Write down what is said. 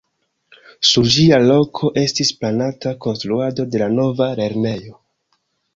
Sur ĝia loko estis planata konstruado de la nova lernejo.